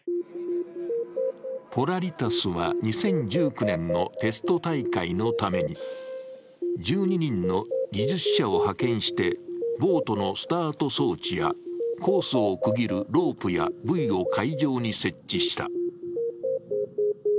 ポラリタスは２０１９年のテスト大会のために１２人の技術者を派遣してボートのスタート装置やコースを区切るロープやブイを会場に設置した。